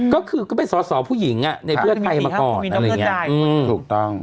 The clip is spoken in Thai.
ก็คือเป็นสอสอผู้หญิงในเวลาไทยมาก่อน